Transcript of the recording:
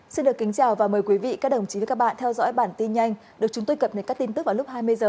xin được kính chào và mời quý vị các đồng chí với các bạn theo dõi bản tin nhanh được chúng tôi cập nhật các tin tức vào lúc hai mươi h